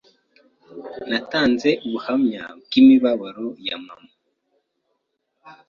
natanze ubuhamya bw’imibabaro ya Mama,